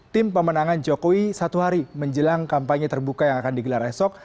tim pemenangan jokowi satu hari menjelang kampanye terbuka yang akan digelar esok